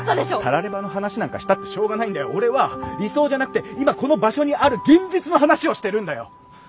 たらればの話なんかしたってしょうがないんだよ。俺は理想じゃなくて今この場所にある現実の話をしてるんだよ。